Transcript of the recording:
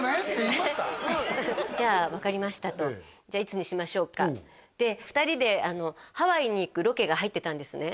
「じゃあ分かりました」と「じゃあいつにしましょうか？」で２人でハワイに行くロケが入ってたんですね